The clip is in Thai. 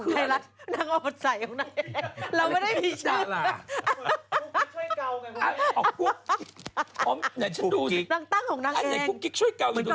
เดี๋ยวฉันดูสิอันนี้คุกกิ๊กช่วยเก่าอยู่ตรงไหนคุกกิ๊กช่วยเก่าอยู่ตรงไหน